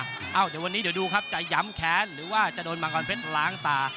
เดี๋ยววันนี้เดี๋ยวดูครับจะย้ำแค้นหรือว่าจะโดนมังกรเพชรล้างตา